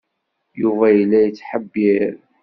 Yuba yella yettḥebbiṛ.